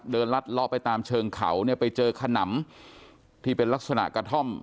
ลัดเลาะไปตามเชิงเขาเนี่ยไปเจอขนำที่เป็นลักษณะกระท่อม